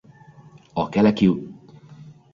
A keleti kultúra is hat munkásságára.